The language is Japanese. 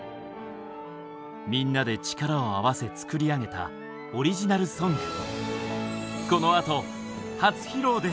みんなで力を合わせ作り上げたオリジナルソング。